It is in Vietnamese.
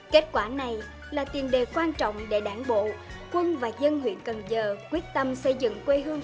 kết quả này là tiền đề quan trọng để đảng bộ quân và dân huyện cần giờ quyết tâm xây dựng quê hương